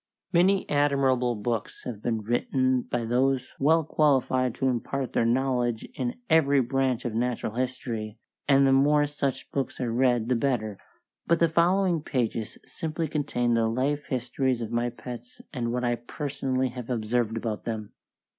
Many admirable books have been written by those well qualified to impart their knowledge in every branch of Natural History, and the more such books are read the better, but the following pages simply contain the life histories of my pets and what I personally have observed about them.